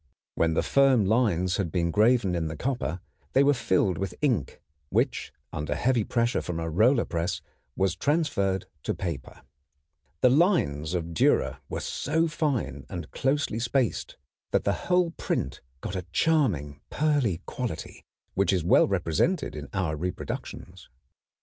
When the firm lines had been graven in the copper they were filled with ink, which under heavy pressure from a roller press was transferred to paper. The lines of Dürer were so fine and closely spaced that the whole print got a charming pearly quality which is well represented in our reproductions.